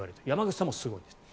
山口さんもすごい。